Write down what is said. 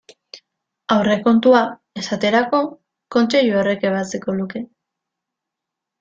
Aurrekontua, esaterako, Kontseilu horrek ebatziko luke.